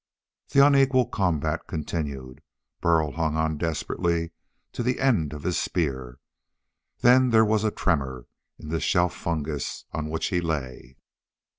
The unequal combat continued. Burl hung on desperately to the end of his spear. Then there was a tremor in the shelf fungus on which he lay.